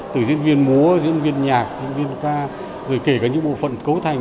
từ diễn viên múa diễn viên nhạc diễn viên ca rồi kể cả những bộ phận cấu thành